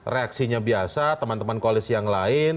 reaksinya biasa teman teman koalisi yang lain